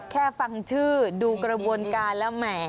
ฟังชื่อดูกระบวนการแล้วแหม